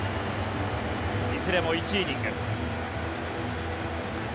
いずれも１イニング。